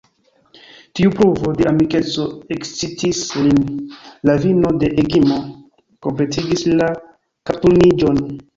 Tiu pruvo de amikeco ekscitis lin: la vino de Egino kompletigis la kapturniĝon.